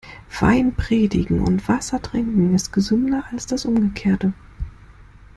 Wein predigen und Wasser trinken ist gesünder als das Umgekehrte.